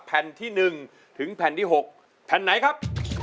แผ่นที่๑ถึงแผ่นที่๖แผ่นไหนครับ